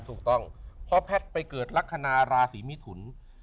ถูกต้องพอแพทย์ไปเกิดลักษณะราศีมิถุน